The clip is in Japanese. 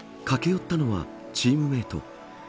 駆け寄ったのはチームメート。